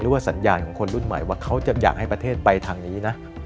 สัญญาณของคนรุ่นใหม่ว่าเขาจะอยากให้ประเทศไปทางนี้นะ